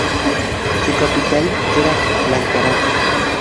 Su capital era Lankaran.